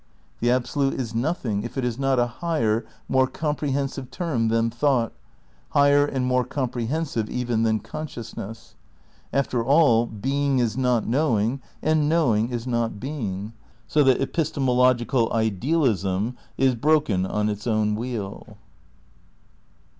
The Ab solute is nothing if it is not a higher, more comprehen sive term than thought, higher and more compre hensive even than consciousness. After all, being is not knowing, and knowing is not being; so that epis temological idealism is broken on its own wheel.